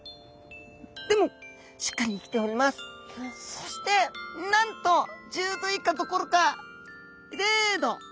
そしてなんと１０℃以下どころか０℃！